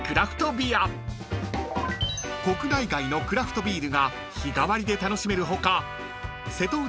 ［国内外のクラフトビールが日替わりで楽しめる他瀬戸内